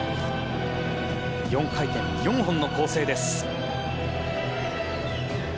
４回転４本の構成です。